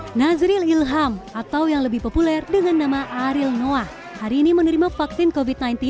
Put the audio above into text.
hai nazril ilham atau yang lebih populer dengan nama ariel noah hari ini menerima vaksin covid sembilan belas